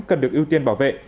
cần được ưu tiên bảo vệ